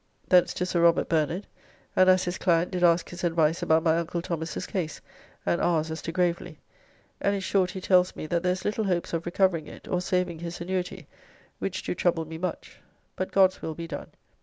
Thence to Sir Robert Bernard, and as his client did ask his advice about my uncle Thomas's case and ours as to Gravely, and in short he tells me that there is little hopes of recovering it or saving his annuity, which do trouble me much, but God's will be done.